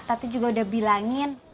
tati juga udah bilangin